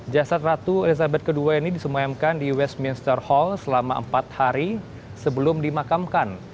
jasad ratu elizabeth ii ini disemayamkan di westminster hall selama empat hari sebelum dimakamkan